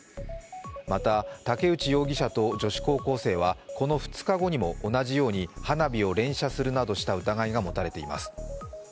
また竹内容疑者と女子高校生はこの２日後にも同じように花火を連射するなどした疑いが持たれています。